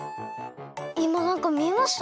いまなんかみえました？